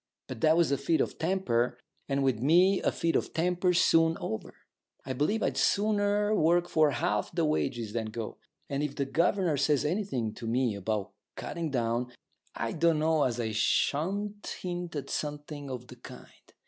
But that was a fit of temper, and with me a fit of temper's soon over. I believe I'd sooner work for half the wages than go. And if the governor says anything to me about cutting down, I don't know as I shan't hint at something of the kind.